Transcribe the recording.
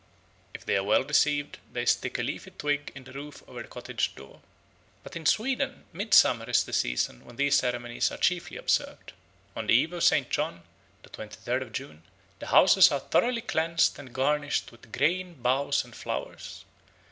If they are well received, they stick a leafy twig in the roof over the cottage door. But in Sweden midsummer is the season when these ceremonies are chiefly observed. On the Eve of St. John (the twenty third of June) the houses are thoroughly cleansed and garnished with green boughs and flowers.